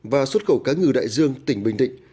và xuất khẩu cá ngừ đại dương tỉnh bình định